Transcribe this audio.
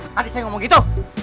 nanti saya gak mau gitu